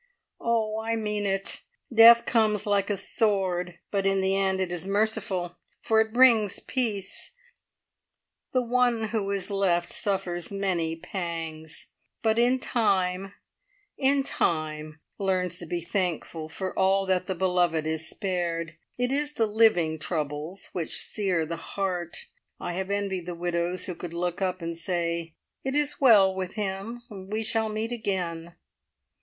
"Oh, I mean it. Death comes like a sword, but in the end it is merciful, for it brings peace. The one who is left suffers many pangs, but in time in time, learns to be thankful for all that the beloved is spared. It is the living troubles which sear the heart. I have envied the widows who could look up and say, `It is well with him. We shall meet again.'